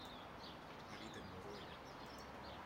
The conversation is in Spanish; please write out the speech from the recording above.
Habita en Noruega.